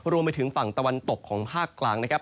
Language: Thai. รวมไปถึงฝั่งตะวันตกของภาคกลางนะครับ